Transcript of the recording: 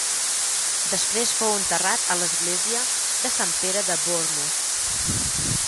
Després fou enterrat a l'església de Sant Pere de Bournemouth.